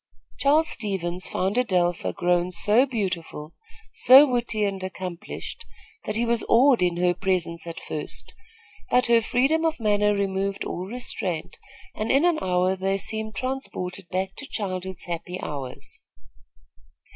Charles Stevens found Adelpha grown so beautiful, so witty and accomplished, that he was awed in her presence at first; but her freedom of manner removed all restraint, and in an hour they seemed transported back to childhood's happy hours.